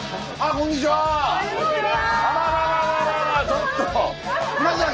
こんにちは。